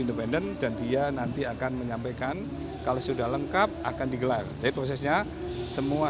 independen dan dia nanti akan menyampaikan kalau sudah lengkap akan digelar jadi prosesnya semua